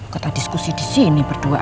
kita diskusi disini berdua ayo